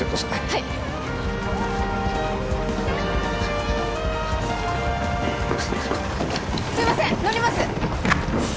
はいすいません乗ります